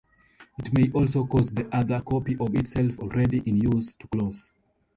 It may also cause the other copy of itself already in use to close.